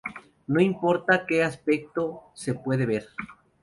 No importa que aspecto se puede ver".